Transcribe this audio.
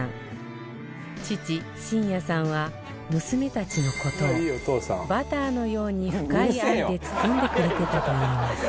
父伸也さんは娘たちの事をバターのように深い愛で包んでくれてたといいます